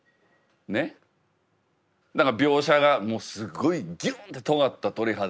何か描写がもうすごいギュンってとがった鳥肌。